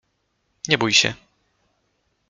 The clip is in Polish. — Nie bój się.